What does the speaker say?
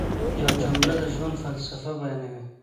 یوه جمله د ژوند فلسفه بیانوي.